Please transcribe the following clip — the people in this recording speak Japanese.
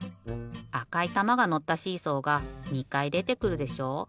あかいたまがのったシーソーが２かいでてくるでしょう。